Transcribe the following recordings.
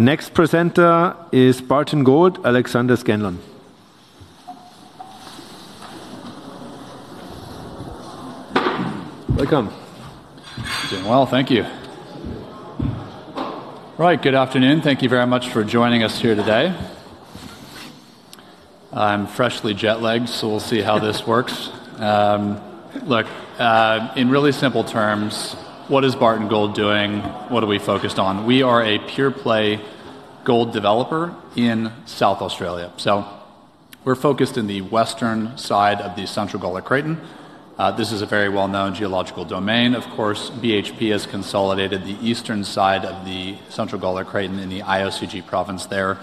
Next presenter is Barton Gold, Alexander Scanlon. Welcome. Doing well, thank you. Right, good afternoon, thank you very much for joining us here today. I'm freshly jet-lagged, so we'll see how this works. Look, in really simple terms, what is Barton Gold doing? What are we focused on? We are a pure-play gold developer in South Australia. We are focused in the western side of the Central Gawler Craton. This is a very well-known geological domain, of course. BHP has consolidated the eastern side of the Central Gawler Craton in the IOCG province there.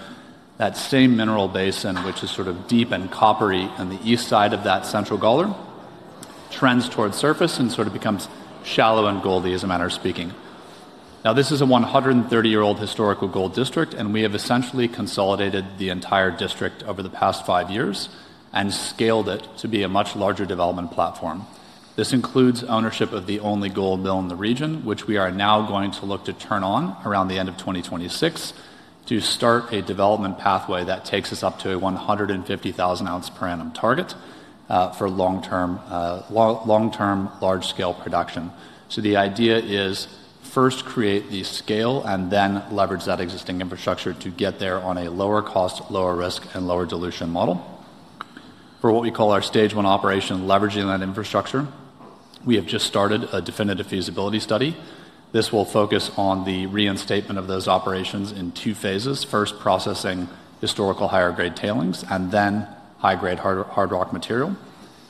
That same mineral basin, which is sort of deep and coppery on the east side of that Central Gawler, trends toward surface and sort of becomes shallow and goldy, as a manner of speaking. Now, this is a 130-year-old historical gold district, and we have essentially consolidated the entire district over the past five years and scaled it to be a much larger development platform. This includes ownership of the only gold mill in the region, which we are now going to look to turn on around the end of 2026 to start a development pathway that takes us up to a 150,000-ounce per annum target for long-term large-scale production. The idea is first to create the scale and then leverage that existing infrastructure to get there on a lower cost, lower risk, and lower dilution model. For what we call our stage one operation, leveraging that infrastructure, we have just started a Definitive Feasibility Study. This will focus on the reinstatement of those operations in two phases: first, processing historical higher-grade tailings, and then high-grade hard rock material.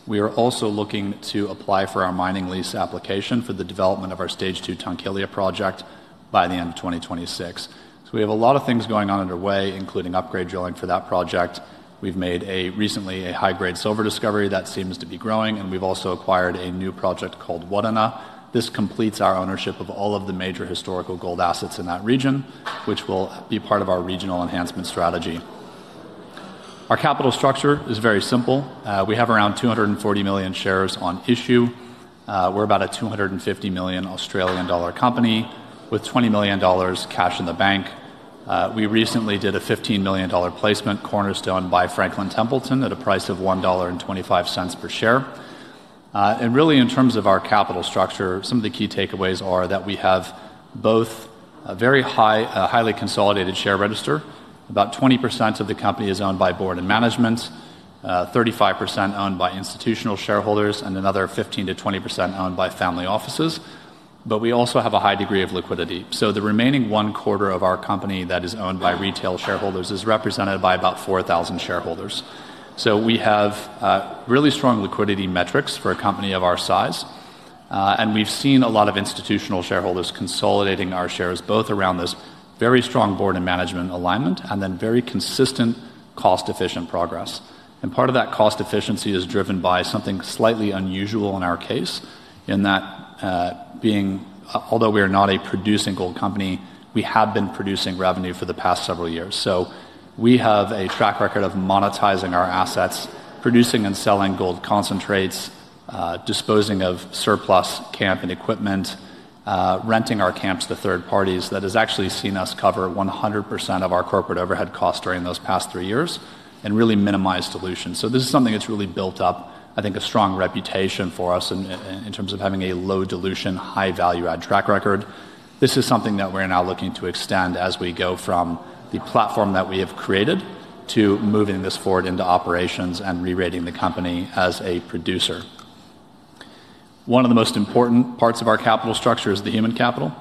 We are also looking to apply for our mining lease application for the development of our stage two Tunkillia project by the end of 2026. We have a lot of things going on underway, including upgrade drilling for that project. We've made recently a high-grade silver discovery that seems to be growing, and we've also acquired a new project called Wudinna. This completes our ownership of all of the major historical gold assets in that region, which will be part of our regional enhancement strategy. Our capital structure is very simple. We have around 240 million shares on issue. We're about a 250 million Australian dollar company with 20 million dollars cash in the bank. We recently did a 15 million dollar placement, cornerstone by Franklin Templeton, at a price of 1.25 dollar per share. Really, in terms of our capital structure, some of the key takeaways are that we have both a very high, highly consolidated share register. About 20% of the company is owned by board and management, 35% owned by institutional shareholders, and another 15%-20% owned by family offices. We also have a high degree of liquidity. The remaining one quarter of our company that is owned by retail shareholders is represented by about 4,000 shareholders. We have really strong liquidity metrics for a company of our size. We have seen a lot of institutional shareholders consolidating our shares, both around this very strong board and management alignment and then very consistent cost-efficient progress. Part of that cost efficiency is driven by something slightly unusual in our case, in that being, although we are not a producing gold company, we have been producing revenue for the past several years. We have a track record of monetizing our assets, producing and selling gold concentrates, disposing of surplus camp and equipment, renting our camps to third parties. That has actually seen us cover 100% of our corporate overhead costs during those past three years and really minimize dilution. This is something that's really built up, I think, a strong reputation for us in terms of having a low dilution, high value-add track record. This is something that we're now looking to extend as we go from the platform that we have created to moving this forward into operations and re-rating the company as a producer. One of the most important parts of our capital structure is the human capital.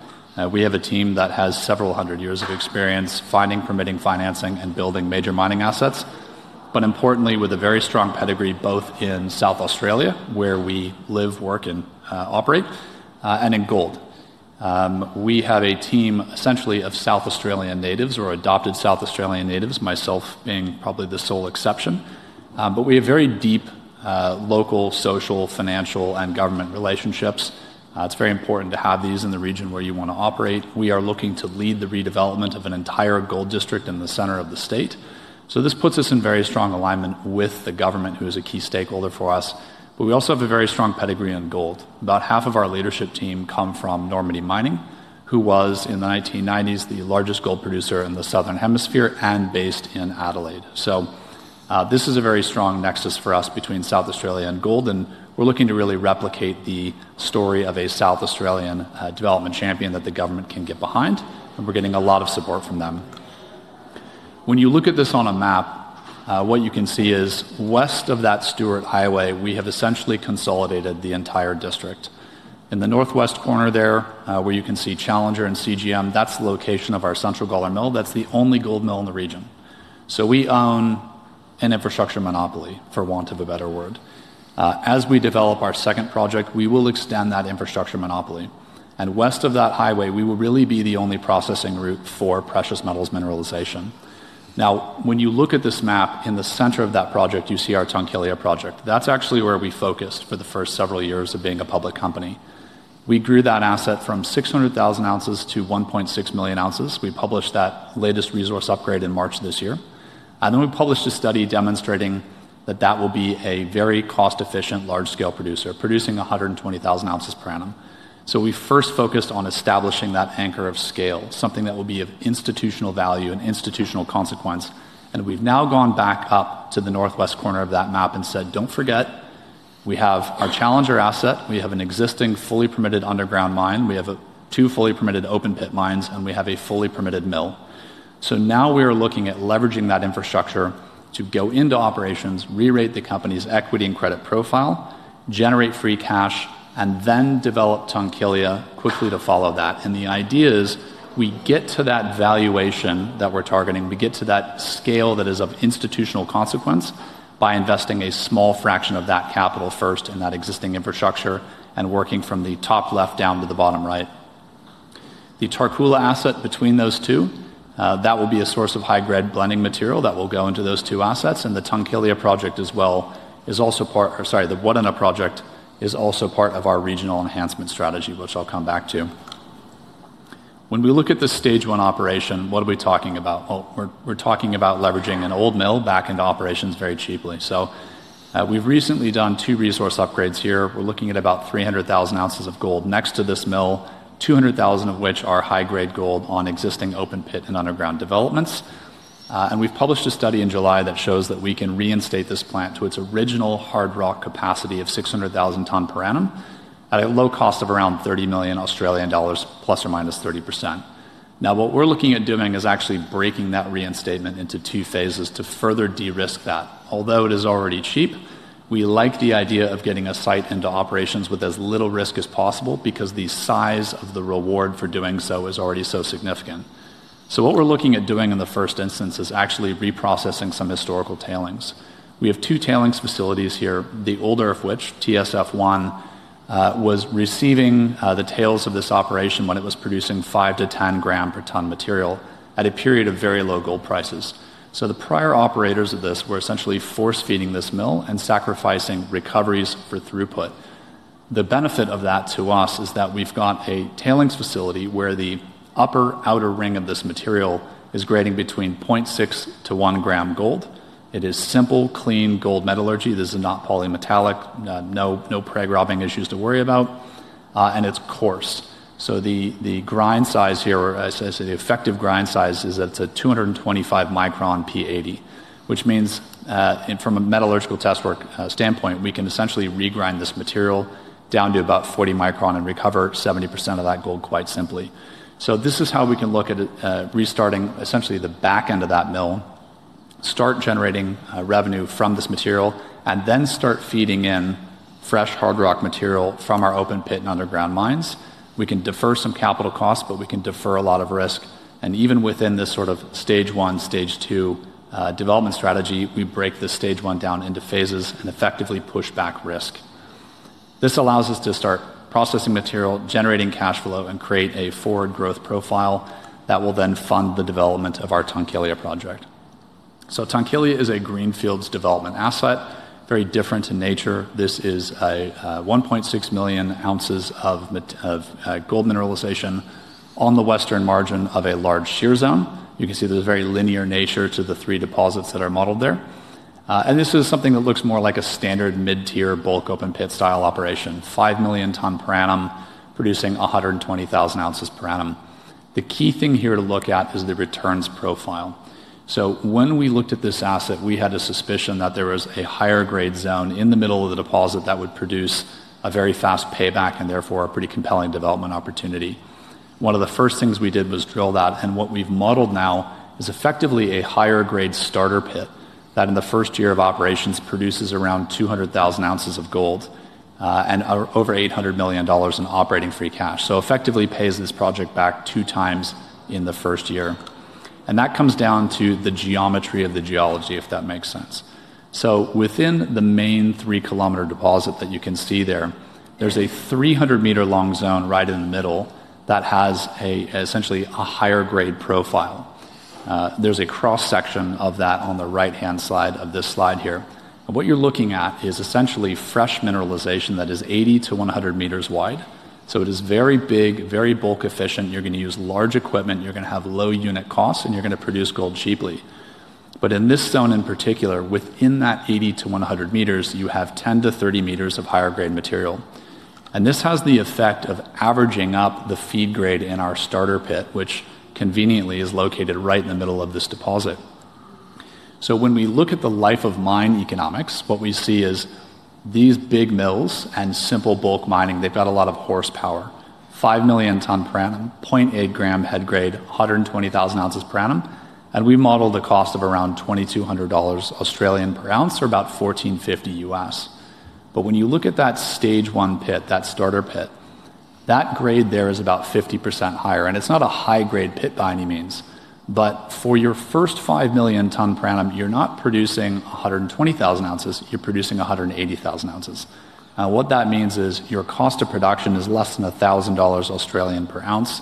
We have a team that has several hundred years of experience finding, permitting, financing, and building major mining assets. Importantly, with a very strong pedigree both in South Australia, where we live, work, and operate, and in gold. We have a team essentially of South Australian natives or adopted South Australian natives, myself being probably the sole exception. We have very deep local, social, financial, and government relationships. It's very important to have these in the region where you want to operate. We are looking to lead the redevelopment of an entire gold district in the center of the state. This puts us in very strong alignment with the government, who is a key stakeholder for us. We also have a very strong pedigree in gold. About half of our leadership team come from Normandy Mining, who was in the 1990s the largest gold producer in the Southern Hemisphere and based in Adelaide. This is a very strong nexus for us between South Australian gold. We're looking to really replicate the story of a South Australian development champion that the government can get behind. We're getting a lot of support from them. When you look at this on a map, what you can see is west of that Stuart Highway, we have essentially consolidated the entire district. In the northwest corner there, where you can see Challenger and CGM, that's the location of our Central Gawler mill. That's the only gold mill in the region. We own an infrastructure monopoly, for want of a better word. As we develop our second project, we will extend that infrastructure monopoly. West of that highway, we will really be the only processing route for precious metals mineralization. Now, when you look at this map, in the center of that project, you see our Tunkillia project. That's actually where we focused for the first several years of being a public company. We grew that asset from 600,000 ounces to 1.6 million ounces. We published that latest resource upgrade in March this year. We published a study demonstrating that that will be a very cost-efficient large-scale producer, producing 120,000 ounces per annum. We first focused on establishing that anchor of scale, something that will be of institutional value and institutional consequence. We've now gone back up to the northwest corner of that map and said, "Don't forget, we have our Challenger asset. We have an existing fully permitted underground mine. We have two fully permitted open-pit mines, and we have a fully permitted mill. Now we are looking at leveraging that infrastructure to go into operations, re-rate the company's equity and credit profile, generate free cash, and then develop Tunkillia quickly to follow that. The idea is we get to that valuation that we're targeting. We get to that scale that is of institutional consequence by investing a small fraction of that capital first in that existing infrastructure and working from the top left down to the bottom right. The Tarcoola asset between those two, that will be a source of high-grade blending material that will go into those two assets. The Tunkillia project as well is also part, or sorry, the Wudinna project is also part of our regional enhancement strategy, which I'll come back to. When we look at this stage one operation, what are we talking about? We are talking about leveraging an old mill back into operations very cheaply. We have recently done two resource upgrades here. We are looking at about 300,000 ounces of gold next to this mill, 200,000 of which are high-grade gold on existing open-pit and underground developments. We have published a study in July that shows that we can reinstate this plant to its original hard rock capacity of 600,000 tons per annum at a low cost of around 30 million Australian dollars, ±30%. What we are looking at doing is actually breaking that reinstatement into two phases to further de-risk that. Although it is already cheap, we like the idea of getting a site into operations with as little risk as possible because the size of the reward for doing so is already so significant. What we're looking at doing in the first instance is actually reprocessing some historical tailings. We have two tailings facilities here, the older of which, TSF1, was receiving the tails of this operation when it was producing 5 gram-10 gram per ton material at a period of very low gold prices. The prior operators of this were essentially force-feeding this mill and sacrificing recoveries for throughput. The benefit of that to us is that we've got a tailings facility where the upper outer ring of this material is grading between 0.6 gram-1 gram gold. It is simple, clean gold metallurgy. This is not polymetallic. No preg-robbing issues to worry about. It is coarse. The grind size here, the effective grind size is that it's a 225 micron P80, which means from a metallurgical test work standpoint, we can essentially re-grind this material down to about 40 micron and recover 70% of that gold quite simply. This is how we can look at restarting essentially the back end of that mill, start generating revenue from this material, and then start feeding in fresh hard rock material from our open-pit and underground mines. We can defer some capital costs, but we can defer a lot of risk. Even within this sort of stage one, stage two development strategy, we break this stage one down into phases and effectively push back risk. This allows us to start processing material, generating cash flow, and create a forward growth profile that will then fund the development of our Tunkillia project. Tunkillia is a greenfields development asset, very different in nature. This is 1.6 million ounces of gold mineralization on the western margin of a large shear zone. You can see there is very linear nature to the three deposits that are modeled there. This is something that looks more like a standard mid-tier bulk open-pit style operation, 5 million ton per annum, producing 120,000 ounces per annum. The key thing here to look at is the returns profile. When we looked at this asset, we had a suspicion that there was a higher-grade zone in the middle of the deposit that would produce a very fast payback and therefore a pretty compelling development opportunity. One of the first things we did was drill that. What we've modeled now is effectively a higher-grade starter pit that in the first year of operations produces around 200,000 ounces of gold and over 800 million dollars in operating free cash. It effectively pays this project back two times in the first year. That comes down to the geometry of the geology, if that makes sense. Within the main 3 km deposit that you can see there, there's a 300-meter-long zone right in the middle that has essentially a higher-grade profile. There's a cross-section of that on the right-hand side of this slide here. What you're looking at is essentially fresh mineralization that is 80 meters-100 meters wide. It is very big, very bulk efficient. You're going to use large equipment. You're going to have low unit costs, and you're going to produce gold cheaply. In this zone in particular, within that 80 meter-100 meters, you have 10 meters-30 meters of higher-grade material. This has the effect of averaging up the feed grade in our starter pit, which conveniently is located right in the middle of this deposit. When we look at the life of mine economics, what we see is these big mills and simple bulk mining, they've got a lot of horsepower, 5 million ton per annum, 0.8 gram head grade, 120,000 ounces per annum. We've modeled a cost of around 2,200 Australian dollars per ounce or about $1,450. When you look at that stage one pit, that starter pit, that grade there is about 50% higher. It's not a high-grade pit by any means. For your first 5 million ton per annum, you're not producing 120,000 ounces. You're producing 180,000 ounces. What that means is your cost of production is less than 1,000 Australian dollars per ounce.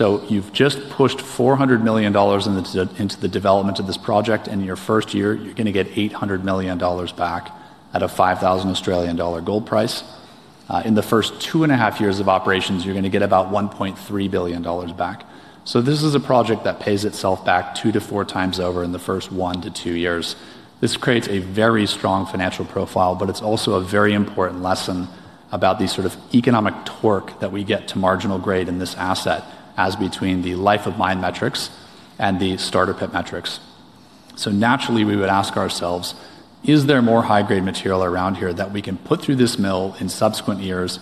You have just pushed 400 million dollars into the development of this project. In your first year, you are going to get 800 million dollars back at a 5,000 Australian dollar gold price. In the first two and a half years of operations, you are going to get about 1.3 billion dollars back. This is a project that pays itself back two to four times over in the first one to two years. This creates a very strong financial profile, but it is also a very important lesson about the sort of economic torque that we get to marginal grade in this asset as between the life of mine metrics and the starter pit metrics. Naturally, we would ask ourselves, is there more high-grade material around here that we can put through this mill in subsequent years?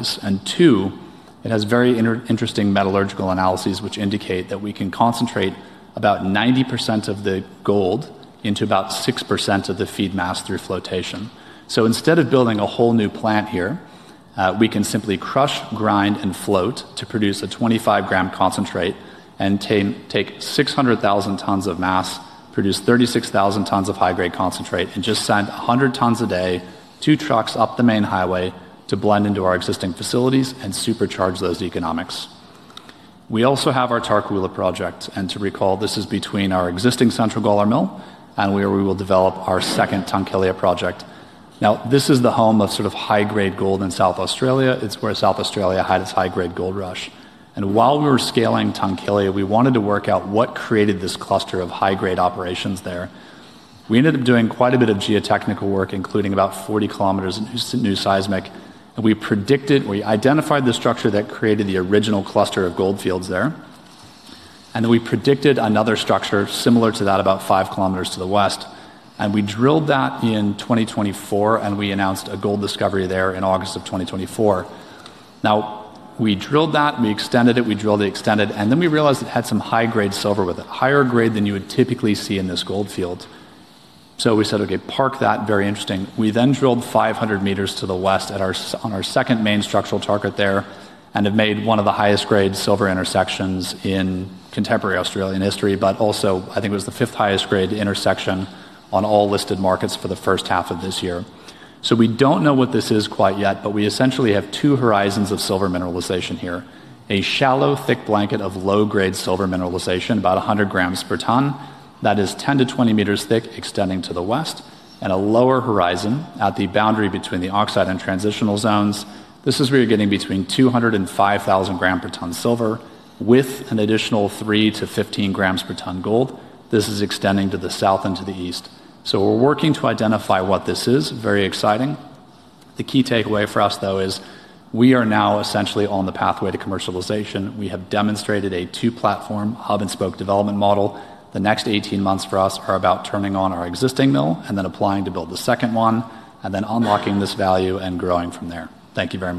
It has very interesting metallurgical analyses, which indicate that we can concentrate about 90% of the gold into about 6% of the feed mass through flotation. Instead of building a whole new plant here, we can simply crush, grind, and float to produce a 25-gram concentrate and take 600,000 tons of mass, produce 36,000 tons of high-grade concentrate, and just send 100 tons a day, two trucks up the main highway to blend into our existing facilities and supercharge those economics. We also have our Tarcoola project. To recall, this is between our existing Central Gawler mill and where we will develop our second Tunkillia project. This is the home of sort of high-grade gold in South Australia. It is where South Australia had its high-grade gold rush. While we were scaling Tunkillia, we wanted to work out what created this cluster of high-grade operations there. We ended up doing quite a bit of geotechnical work, including about 40 km in new seismic. We identified the structure that created the original cluster of gold fields there. We predicted another structure similar to that about 5 km to the west. We drilled that in 2024, and we announced a gold discovery there in August of 2024. We drilled that, we extended it, we drilled, extended, and then we realized it had some high-grade silver with it, higher grade than you would typically see in this gold field. We said, "Okay, park that. Very interesting. We then drilled 500 meters to the west on our second main structural target there and have made one of the highest-grade silver intersections in contemporary Australian history, but also, I think it was the 5th highest-grade intersection on all listed markets for the first half of this year. We do not know what this is quite yet, but we essentially have two horizons of silver mineralization here: a shallow, thick blanket of low-grade silver mineralization, about 100 grams per ton, that is 10 meters-20 meters thick, extending to the west, and a lower horizon at the boundary between the oxide and transitional zones. This is where you are getting between 200 and 5,000 grams per ton silver with an additional 3-15 grams per ton gold. This is extending to the south and to the east. We are working to identify what this is. Very exciting. The key takeaway for us, though, is we are now essentially on the pathway to commercialization. We have demonstrated a two-platform hub-and-spoke development model. The next 18 months for us are about turning on our existing mill and then applying to build the second one and then unlocking this value and growing from there. Thank you very much.